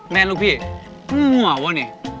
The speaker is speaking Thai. แม่นลูกพี่มั่วหรือเปล่า